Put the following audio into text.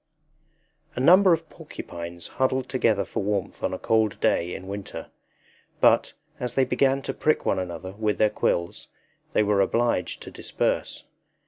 A number of porcupines huddled together for warmth on a cold day in winter; but, as they began to prick one another with their quills, they were obliged to disperse.